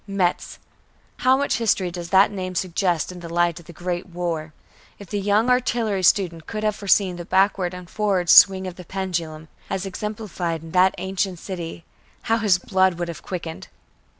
Metz! How much history does the name suggest in the light of the Great War! If the young artillery student could have foreseen the backward and forward swing of the pendulum, as exemplified in that ancient city, how his blood would have quickened!